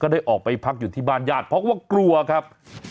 ได้ออกไปพักอยู่ที่บ้านญาติเพราะว่ากลัวครับ